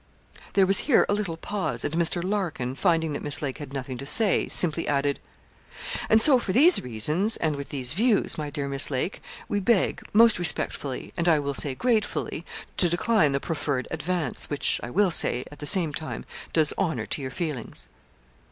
There was here a little pause, and Mr. Larkin, finding that Miss Lake had nothing to say, simply added 'And so, for these reasons, and with these views, my dear Miss Lake, we beg, most respectfully, and I will say gratefully, to decline the proffered advance, which, I will say, at the same time, does honour to your feelings.'